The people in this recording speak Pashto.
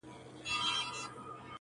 دا د باروتو د اورونو کیسې،